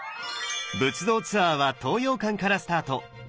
仏像ツアーは東洋館からスタート。